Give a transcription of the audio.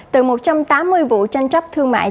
từ một trăm tám mươi vụ tranh chấp thương mại